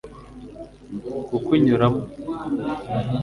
kukunyuramo